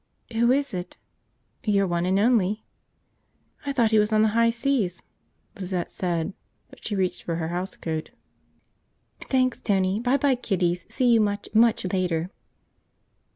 "Who is it?" "Your one and only." "I thought he was on the high seas," Lizette said, but she reached for her housecoat. "Thanks, Tony. Bye bye, kiddies, see you much, much later."